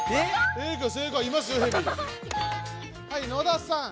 はい野田さん。